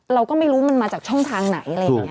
เราก็ไม่รู้มันมาจากช่องทางไหนอะไรอย่างนี้